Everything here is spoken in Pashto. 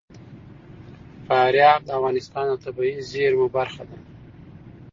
فاریاب د افغانستان د طبیعي زیرمو برخه ده.